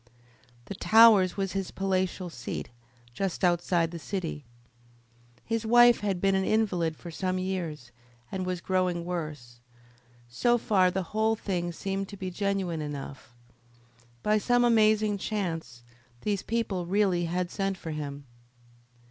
The Towers was his palatial seat, just outside the city. His wife had been an invalid for some years, and was growing worse. So far the whole thing seemed to be genuine enough. By some amazing chance these people really had sent for him.